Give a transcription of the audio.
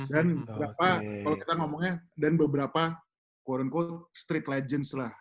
dan beberapa kalau kita ngomongnya dan beberapa quote unquote street legends lah